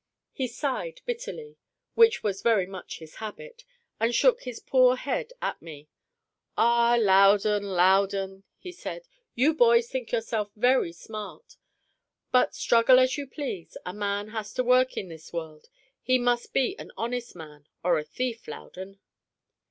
He sighed bitterly (which was very much his habit), and shook his poor head at me. "Ah, Loudon, Loudon!" said he, "you boys think yourselves very smart. But, struggle as you please, a man has to work in this world. He must be an honest man or a thief, Loudon."